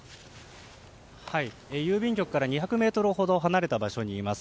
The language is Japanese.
郵便局から２００ｍほど離れた場所にいます。